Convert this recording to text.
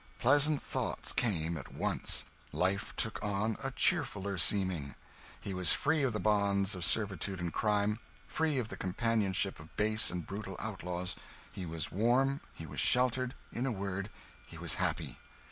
Pleasant thoughts came at once; life took on a cheerfuller seeming. He was free of the bonds of servitude and crime, free of the companionship of base and brutal outlaws; he was warm; he was sheltered; in a word, he was happy.